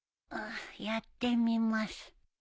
やってみます。